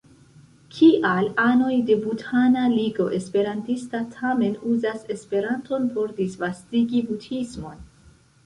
Kial anoj de Budhana Ligo Esperantista tamen uzas Esperanton por disvastigi budhismon?